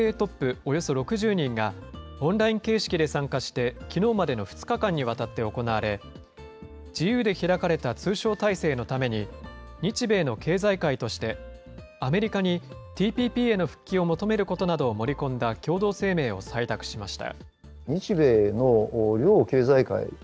およそ６０人が、オンライン形式で参加して、きのうまでの２日間にわたって行われ、自由で開かれた通商体制のために、日米の経済界として、アメリカにＴＰＰへの復帰を求めることなどを盛り込んだ共同声明を採択しました。